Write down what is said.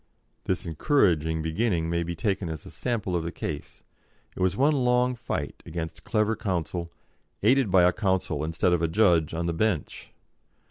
This encouraging beginning may be taken as a sample of the case it was one long fight against clever counsel, aided by a counsel instead of a judge on the bench.